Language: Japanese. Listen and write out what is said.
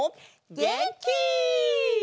げんき！